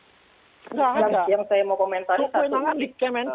yang saya mau komentari satu lagi